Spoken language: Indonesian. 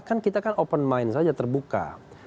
kan kita kan open mind saja terbuka